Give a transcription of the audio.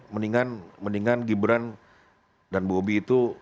mendingan mendingan gibran dan bobi itu